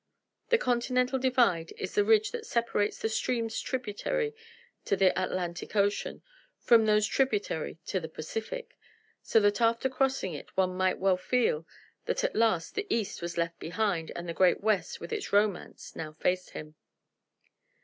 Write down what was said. The Continental Divide is the ridge that separates the streams tributary to the Atlantic ocean from those tributary to the Pacific, so that after crossing it one might well feel that at last the East was left behind and the great West with its romance now faced him.